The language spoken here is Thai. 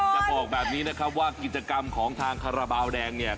จะบอกแบบนี้นะครับว่ากิจกรรมของทางคาราบาลแดงเนี่ย